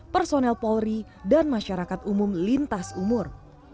personel polri dan masyarakat umum lintas umur